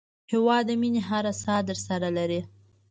هېواد د مینې هره ساه درسره لري.